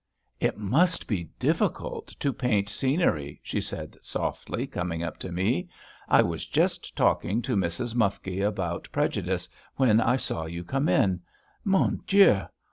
"It must be difficult to paint scenery," she said softly, coming up to me. "I was just talking to Mrs. Mufke about prejudice when I saw you come in. Mon Dieu!